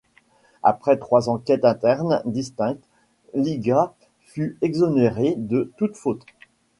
Après trois enquêtes internes distinctes, Lyga fut exonéré de toutes fautes.